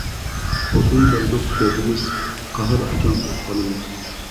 ئوتۇن تەردۇق تۆتىمىز، قاھار ئاكام ئوت قالىدى.